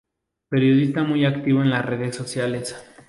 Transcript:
Periodista muy activo en las redes sociales.